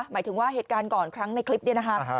หมายถึงว่าเหตุการณ์ก่อนครั้งในคลิปนี้นะครับ